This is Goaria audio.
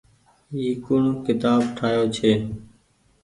اي ڪوڻ ڪيتآب ٺآيو ڇي